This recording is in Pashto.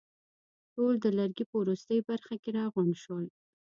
ټول د لرګي په وروستۍ برخه کې راغونډ شول.